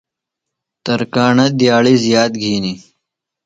تراکݨہ دِیاڑیۡ زِیات گِھینیۡ۔